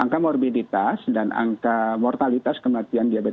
yang membuat kemudian angka mortalitas dan angka mortalitas kematian diabetes itu masih terbatas